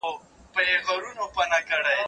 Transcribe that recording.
موبایل د زده کوونکي له خوا کارول کيږي؟!